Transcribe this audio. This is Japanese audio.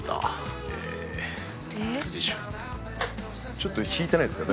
「ちょっと引いてないですか？」